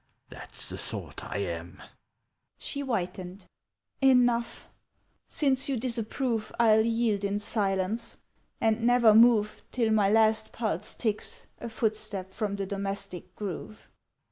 That's the sort I am!" She whitened. "Enough ... Since you disapprove I'll yield in silence, and never move Till my last pulse ticks A footstep from the domestic groove."